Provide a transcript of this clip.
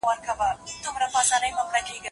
د ټولني ذوق باید په لوړو ارزښتونو جوړ سي.